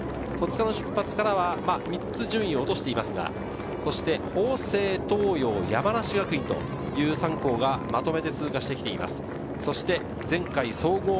戸塚の出発からは３つ順位を落としていますが、法政、東洋、山梨学院という３校がまとめて通過してきています。